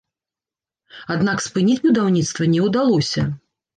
Аднак спыніць будаўніцтва не ўдалося.